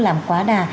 làm quá đà